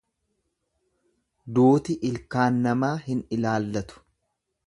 Duuti ilkaan namaa hin ilaallatu.